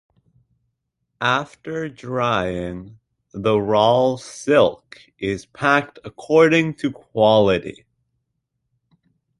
After drying, the raw silk is packed according to quality.